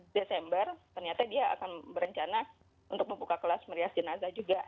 desember ternyata dia akan berencana untuk membuka kelas merias jenazah juga